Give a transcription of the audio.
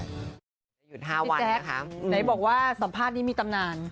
หยุดห้าวันนะครับพี่แจ๊คไหนบอกว่าสัมภาษณ์นี้มีตำนาน